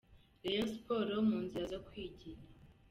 Rayon Sports mu nzira zo kwigira.